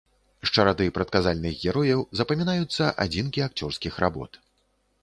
З чарады прадказальных герояў запамінаюцца адзінкі акцёрскіх работ.